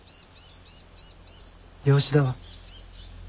養子だわ。